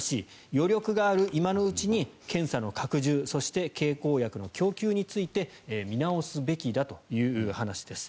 余力がある今のうちに検査の拡充そして経口薬の供給について見直すべきだという話です。